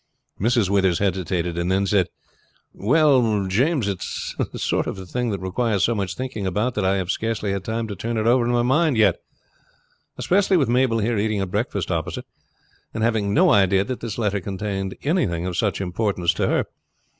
Mrs. Withers hesitated, and then said: "Well, James, it is a sort of thing that requires so much thinking about that I have scarcely had time to turn it over in my mind yet, especially with Mabel there eating her breakfast opposite, and having no idea that this letter contained anything of such importance to her.